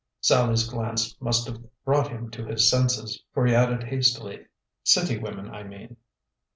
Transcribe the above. Sallie's glance must have brought him to his senses, for he added hastily, "City women, I mean."